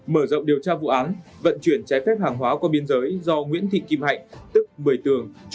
mở rộng điều tra vụ án vận chuyển trái phép hàng hóa qua biên giới do nguyễn thị kim hạnh tức một mươi tường